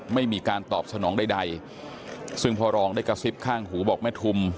ไม่มีการตอบสนองใดซึ่งพ่อรองได้กระซิบข้างหูบอกแม่ทุม